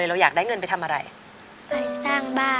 ขอบคุณครับ